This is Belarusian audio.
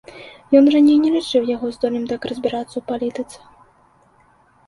Ён раней не лічыў яго здольным так разбірацца ў палітыцы.